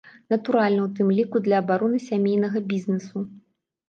Натуральна, у тым ліку для абароны сямейнага бізнесу.